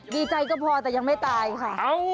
ดีใจก็พอแต่ยังไม่ตายค่ะ